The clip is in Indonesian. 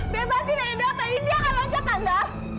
bebasin edo tante indi akan loncat tante